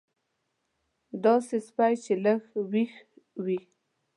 داسې سپی چې لږ وېښ وي.